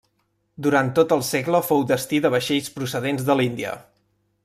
Durant tot el segle fou destí de vaixells procedents de l'Índia.